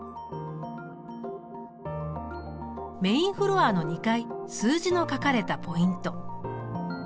メインフロアの２階数字の書かれたポイント。